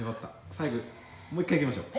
「最後もう一回いきましょう」